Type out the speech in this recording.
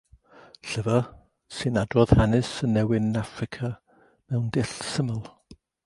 Llyfr sy'n adrodd hanes y newyn yn Affrica mewn dull syml.